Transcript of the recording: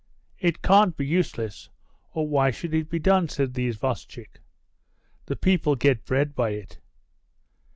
"It can't be useless, or why should it be done?" said the isvostchik. "The people get bread by it."